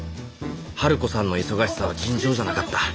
ハルコさんの忙しさは尋常じゃなかった。